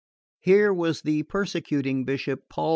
Here was the persecuting Bishop, Paul IV.'